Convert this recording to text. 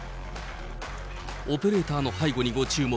オペレーターの背後にご注目。